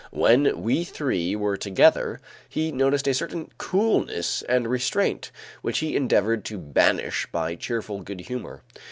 When we three were together, he noticed a certain coldness and restraint which he endeavored to banish by cheerful good humor.